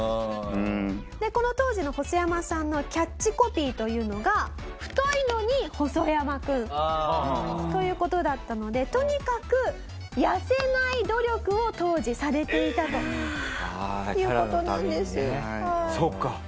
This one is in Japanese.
でこの当時のホソヤマさんのキャッチコピーというのが。という事だったのでとにかく痩せない努力を当時されていたという事なんです。